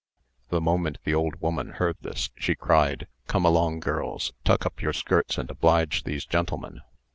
The moment the old woman heard this she cried, "Come along, girls: tuck up your skirts, and oblige these gentlemen."